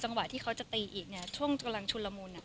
ที่เขาจะตีอีกเนี่ยช่วงกำลังชุนละมุน